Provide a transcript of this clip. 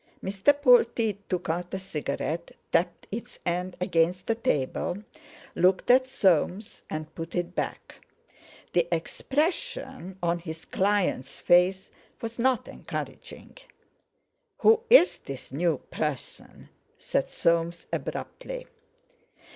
Mr. Polteed took out a cigarette, tapped its end against the table, looked at Soames, and put it back. The expression on his client's face was not encouraging. "Who is this new person?" said Soames abruptly.